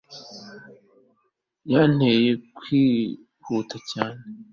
yanteye kwihuta cyane